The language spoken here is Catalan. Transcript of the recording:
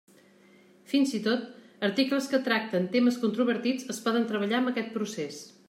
Fins i tot, articles que tracten temes controvertits es poden treballar amb aquest procés.